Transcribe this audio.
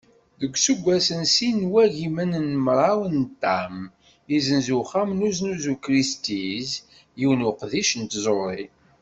Deg useggas n sin n wagimen d mraw n ṭam, issenz uxxam n uznuzu Christie’s yiwen n uqeddic n tẓuri.